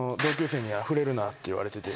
って言われてて。